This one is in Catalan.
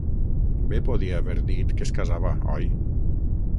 Bé podia haver dit que es casava, oi?